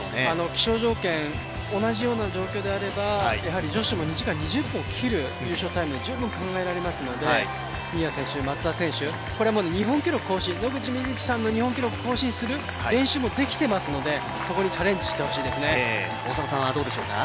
気象条件同じような状況であればやはり女子も２時間２０分を切る優勝タイムも十分考えられますので新谷選手、松田選手日本記録を更新する野口みずきさんの日本記録を更新する練習もできていますのでそこにチャレンジしてほしいですね。